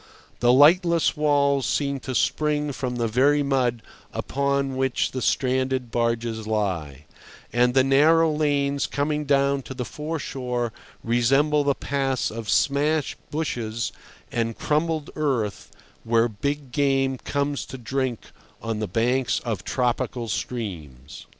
The lightless walls seem to spring from the very mud upon which the stranded barges lie; and the narrow lanes coming down to the foreshore resemble the paths of smashed bushes and crumbled earth where big game comes to drink on the banks of tropical streams.